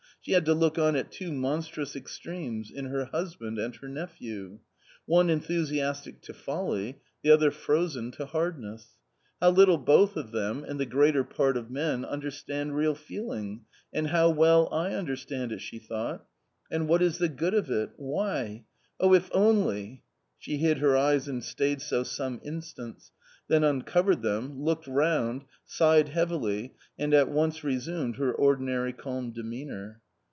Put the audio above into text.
She had to look on at two monstrous extremes — in her husband and her nephew. One enthusiastic to folly — the other frozen to / hardness. " How little both of them — and the greater part of men — understand real feeling, and how well I understand it !" she thought. " And what is the good of it ? why ! oh, if only n She hid her eyes and stayed so some instants, then uncovered them, looked round, sighed heavily and at once resumed her ordinary calm demeanour.